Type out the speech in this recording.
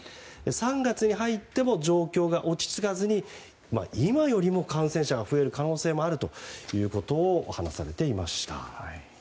３月に入っても状況が落ち着かずに今よりも感染者が増える可能性もあるということを話されていました。